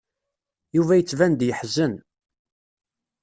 Yuba yettban-d yeḥzen.